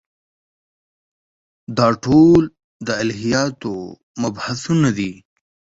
دا ټول د الهیاتو مبحثونه دي.